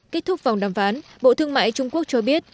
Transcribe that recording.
kết thúc vòng đàm phán bộ thương mại trung quốc cho biết